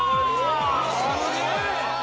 すげえ！